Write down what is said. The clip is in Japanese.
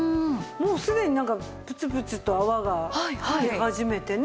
もうすでになんかプツプツと泡が出始めてね。